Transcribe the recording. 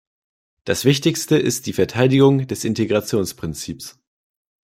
Das Wichtigste ist die Verteidigung des Integrationsprinzips.